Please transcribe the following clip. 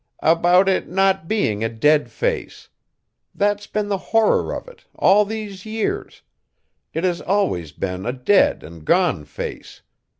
"About it not being a dead face! That's been the horror of it, all these years; it has always been a dead an' gone face!